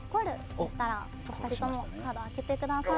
そうしたら２人ともカードを開けてください。